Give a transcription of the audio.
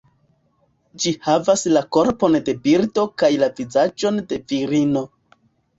Ĝi havas la korpon de birdo kaj la vizaĝon de virino.